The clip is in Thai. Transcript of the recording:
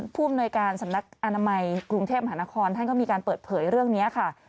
ผู้อำนวยการสำนักอนามัยกรุงเทพมหานครท่านก็มีการเปิดเผยเรื่องนี้ค่ะ